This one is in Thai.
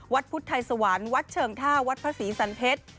วัดพุทธไทยสวรรค์วัดเชิงท่าวัดพระศรีสันเพชร